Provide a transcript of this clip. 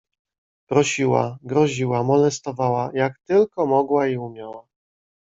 "Prosiła, groziła, molestowała, jak tylko mogła i umiała."